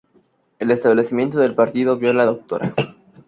El establecimiento del partido vio a la Dra.